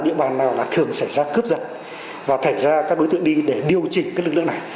địa bàn nào là thường xảy ra cướp giật và thành ra các đối tượng đi để điều chỉnh cái lực lượng này